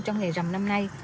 trong ngày rằm năm nay